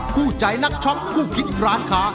คู่ใจนักช็อคคู่คิดร้านค้า